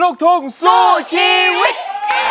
กล้องร้องให้ล้าน